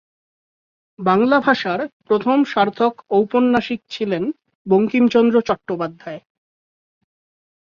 বাংলা ভাষার প্রথম সার্থক ঔপন্যাসিক ছিলেন বঙ্কিমচন্দ্র চট্টোপাধ্যায়।